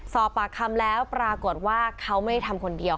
สอบปากคำแล้วปรากฏว่าเขาไม่ได้ทำคนเดียว